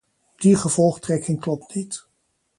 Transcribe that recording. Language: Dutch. Die gevolgtrekking klopt niet.